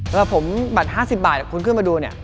เวลาผมบัตร๕๐บาทคุณขึ้นมาดูเนี่ย